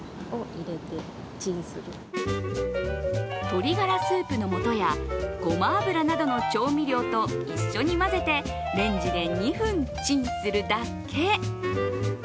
鶏ガラスープのもとやごま油などの調味料と一緒に混ぜてレンジで２分チンするだけ。